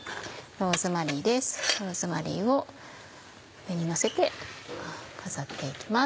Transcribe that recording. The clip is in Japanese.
ローズマリーを上にのせて飾って行きます。